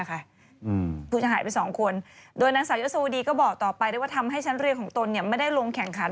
ผู้เสียหายไป๒คนโดยนางสาวยศวดีก็บอกต่อไปได้ว่าทำให้ชั้นเรียนของตนไม่ได้ลงแข่งขัน